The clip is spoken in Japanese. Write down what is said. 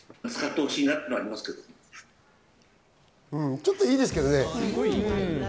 ちょっといいですけどね。